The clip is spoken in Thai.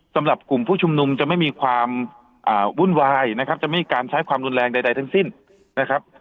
สำหรับกลุ่มผู้ชุมนุมจะไม่มีความวุ่นวายนะครับจะไม่มีการใช้ความรุนแรงใดทั้งสิ้นนะครับ